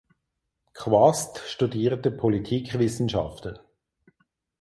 Quast studierte Politikwissenschaften.